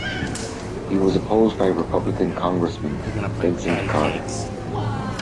He was opposed by Republican Congressman Vincent Carter.